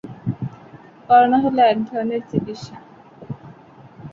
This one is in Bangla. করোনা হলে এক ধরনের চিকিৎসা।